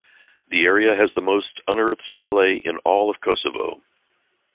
The area has the most unearthed stelae in all of Kosovo.